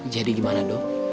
jadi gimana dok